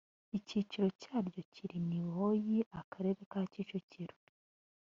icyiciro cyaryo kiri niboyi akarere ka kicukiro